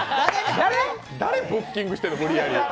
誰、ブッキングしてんの、無理やり。